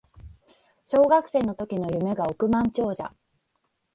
小学生の時の夢が億万長者